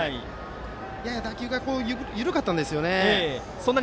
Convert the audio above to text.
やや打球が緩かったんですよね。